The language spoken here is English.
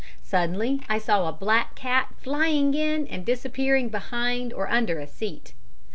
Suddenly I saw a black cat flying in and disappearing behind or under a seat.